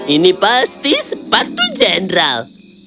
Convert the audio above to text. ini pasti sepatu general